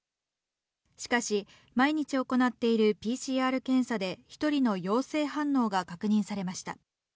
しかし毎日行っているＰＣＲ検査で１人の陽性反応が確認されました。